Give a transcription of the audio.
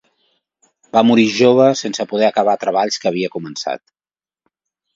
Va morir jove sense poder acabar treballs que havia començat.